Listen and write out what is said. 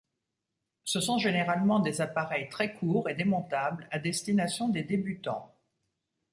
Ce sont généralement des appareils très courts et démontables, à destination des débutants.